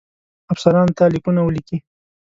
افسرانو ته لیکونه ولیکي.